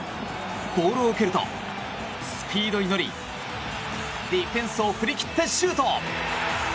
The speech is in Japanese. ボールを受けるとスピードに乗りディフェンスを振り切ってシュート！